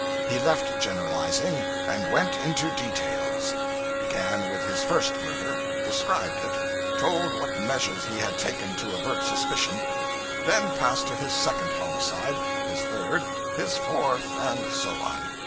He left generalizing, and went into details, began with his first murder; described it, told what measures he had taken to avert suspicion; then passed to his second homicide, his third, his fourth, and so on.